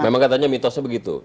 memang katanya mitosnya begitu